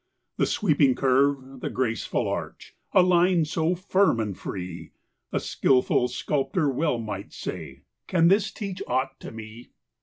The sweeping curve, the graceful arch, The line so firm and free; A skilful sculptor well might say: "Can this teach aught to me?"